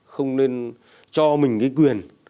không nên cho mình cái quyền